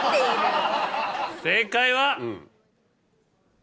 正解は。